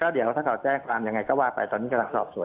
ก็เดี๋ยวถ้าเขาแจ้ความยังไงก็ว่าไปตอนนี้สิค่ะ